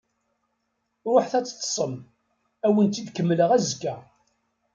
Ruḥet ad teṭṭsem, ad awen-tt-id-kemmleɣ azekka.